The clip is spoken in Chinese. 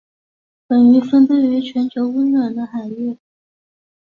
本鱼分布于全球温暖的海域。